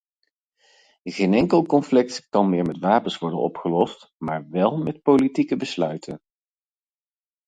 Geen enkel conflict kan meer met wapens worden opgelost maar wel met politieke besluiten.